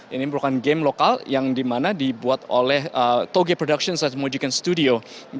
ini merupakan game lokal yang dimana dibuat oleh toge productions dan mojiken studio